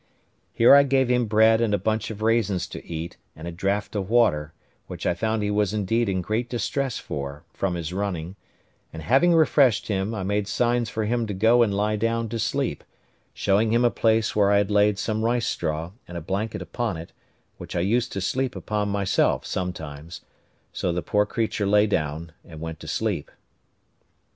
Here I gave him bread and a bunch of raisins to eat, and a draught of water, which I found he was indeed in great distress for, from his running: and having refreshed him, I made signs for him to go and lie down to sleep, showing him a place where I had laid some rice straw, and a blanket upon it, which I used to sleep upon myself sometimes; so the poor creature lay down, and went to sleep.